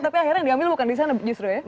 tapi akhirnya yang diambil bukan disana justru ya